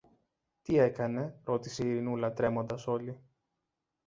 Τι έκανε; ρώτησε η Ειρηνούλα τρέμοντας όλη.